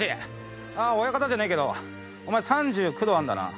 ああ親方じゃねえけどお前３９度あんだな？